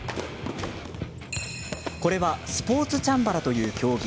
これはスポーツチャンバラという競技。